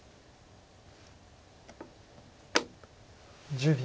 １０秒。